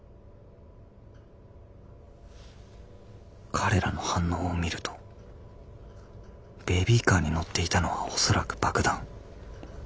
彼らの反応を見るとベビーカーにのっていたのは恐らく爆弾。